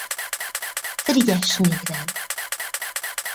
Frigyes néven.